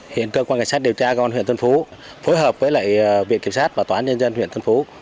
hiện cơ quan cảnh sát điều tra công an huyện tân phú phối hợp với lại viện kiểm sát và tòa án nhân dân huyện tân phú